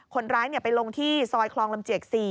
คนร้ายไปลงที่ซอยคลองลำเจียก๔